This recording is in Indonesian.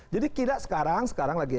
jadi kita sekarang sekarang lagi